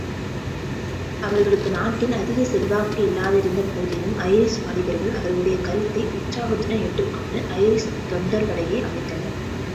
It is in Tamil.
அவர்களுக்கு நாட்டில் அதிகச் செல்வாக்கு இல்லாதிருந்தபோதிலும் ஐரிஷ் வாலிபர்கள், அவர்களுடைய கருத்தை உற்சாகத்துடன் ஏற்றுக்கொண்டு, ஐரிஷ் தொண்டர்படையை அமைத்தனர்.